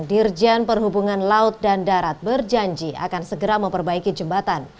dirjen perhubungan laut dan darat berjanji akan segera memperbaiki jembatan